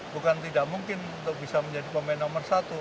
bukan tidak mungkin untuk bisa menjadi pemain nomor satu